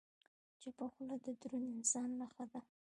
چپه خوله، د دروند انسان نښه ده.